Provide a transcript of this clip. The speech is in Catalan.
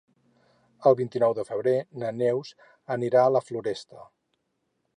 El vint-i-nou de febrer na Neus anirà a la Floresta.